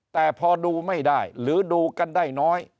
แต่พอดูไม่ได้หรือดูกันได้น้อย